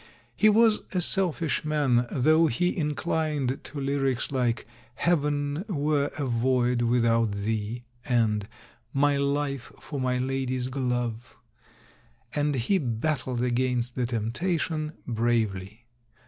He w^as a selfish man, though he inclined to lyrics like "Heaven were a Void without Thee," and "My Life for My Lady's Glove," and he battled against the temptation bravely.